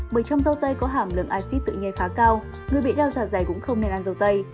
bởi trong rau tây có hàm lượng axit tự nhiên khá cao người bị đau dạ dày cũng không nên ăn rau tây